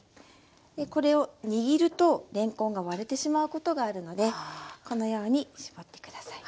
これを握るとれんこんが割れてしまうことがあるのでこのように絞って下さい。